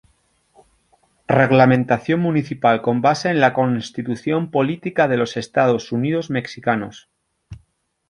Reglamentación Municipal con base en la Constitución Política de los Estados Unidos Mexicanos.